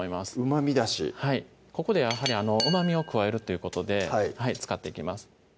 ここでやはりうまみを加えるということで使っていきます